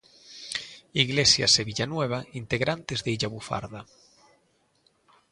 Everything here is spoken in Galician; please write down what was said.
Iglesias e Villanueva, integrantes de Illa Bufarda.